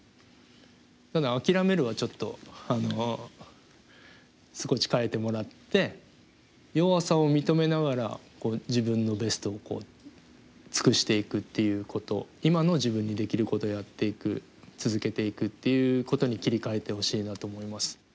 ただ「諦める」はちょっとあの少し変えてもらって弱さを認めながら自分のベストを尽くしていくっていうこと今の自分にできることをやっていく続けていくっていうことに切り替えてほしいなと思います。